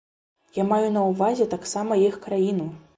Я маю на ўвазе таксама і іх краіну.